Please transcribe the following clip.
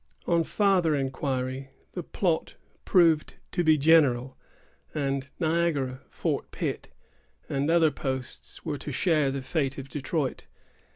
On farther inquiry, the plot proved to be general; and Niagara, Fort Pitt, and other posts, were to share the fate of Detroit.